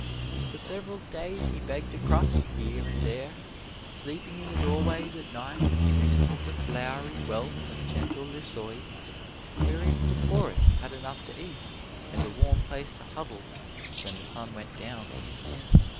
For several days he begged a crust here and there, sleeping in the doorways at night and dreaming of the flowery wealth of gentle Lissoy, where even the poorest had enough to eat and a warm place to huddle when the sun went down.